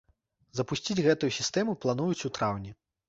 Запусціць гэтую сістэму плануюць у траўні.